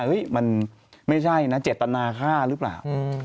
มันไม่ใช่นะเจตนาฆ่าหรือเปล่า